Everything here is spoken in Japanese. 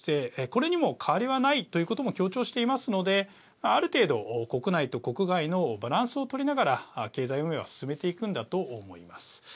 これにも変わりはないということも強調していますのである程度、国内と国外のバランスを取りながら経済運営は進めていくんだと思います。